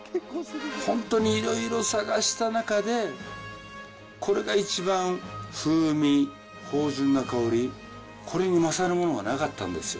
本当にいろいろ探した中で、これが一番風味、芳じゅんな香り、これに勝るものはなかったんですよ。